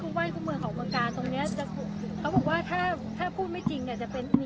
คู่ว่าคู่เมืองของบางการตรงเนี้ยจะเขาบอกว่าถ้าถ้าพูดไม่จริงเนี้ย